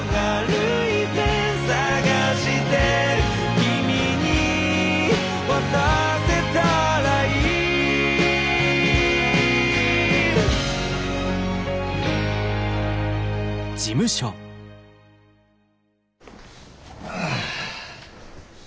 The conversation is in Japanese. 「君に渡せたらいい」ああ。